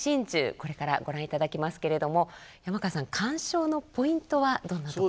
これからご覧いただきますけれども山川さん鑑賞のポイントはどんなところに。